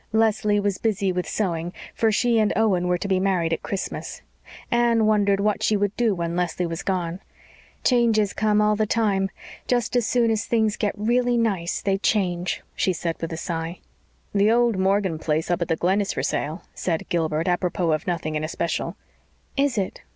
Leslie was busy with sewing, for she and Owen were to be married at Christmas. Anne wondered what she would do when Leslie was gone. "Changes come all the time. Just as soon as things get really nice they change," she said with a sigh. "The old Morgan place up at the Glen is for sale," said Gilbert, apropos of nothing in especial. "Is it?"